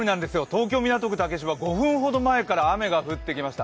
東京・港区竹芝、５分ほど前から雨が降ってきました